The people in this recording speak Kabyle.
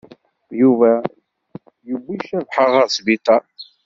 Yuba yewwi Cabḥa ɣer sbiṭaṛ.